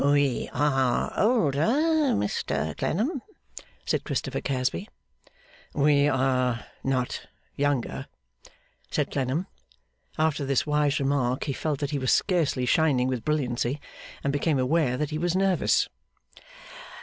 'We are older, Mr Clennam,' said Christopher Casby. 'We are not younger,' said Clennam. After this wise remark he felt that he was scarcely shining with brilliancy, and became aware that he was nervous.